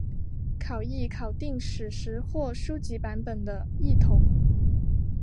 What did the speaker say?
考异考订史实或书籍版本的异同。